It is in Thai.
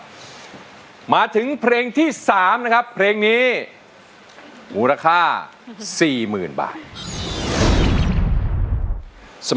ตัวช่วยละครับเหลือใช้ได้อีกสองแผ่นป้ายในเพลงนี้จะหยุดทำไมสู้อยู่แล้วนะครับ